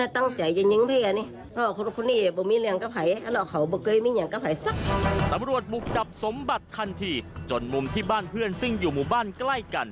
ตำรวจบุกจับสมบัติทันทีจนมุมที่บ้านเพื่อนซึ่งอยู่หมู่บ้านใกล้กัน